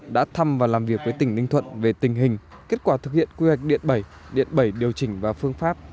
đã thăm và làm việc với tỉnh ninh thuận về tình hình kết quả thực hiện quy hoạch điện bảy điện bảy điều chỉnh và phương pháp